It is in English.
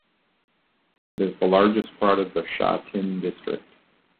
It is the largest part of the Sha Tin District.